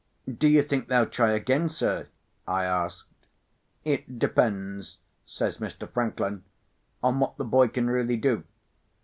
"Do you think they'll try again, sir?" I asked. "It depends," says Mr. Franklin, "on what the boy can really do.